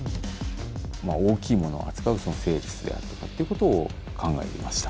大きいものを扱うセールスであるとかっていうことを考えました。